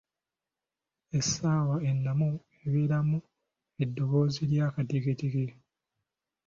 Essaawa ennamu ebeeramu eddoboozi ly'akatikitiki.